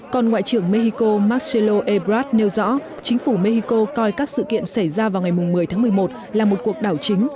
còn ngoại trưởng mexico marcelo ebrad nêu rõ chính phủ mexico coi các sự kiện xảy ra vào ngày một mươi tháng một mươi một là một cuộc đảo chính